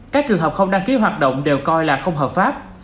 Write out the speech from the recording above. các trường hợp không đăng ký hoạt động đều coi là không hợp pháp